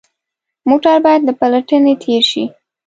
موټر باید له پلټنې تېر شي.